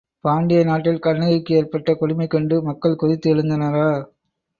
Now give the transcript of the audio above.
பாண்டிய நாட்டில் கண்ணகிக்கு ஏற்பட்ட கொடுமை கண்டு மக்கள் கொதித்து எழுந்தனரா?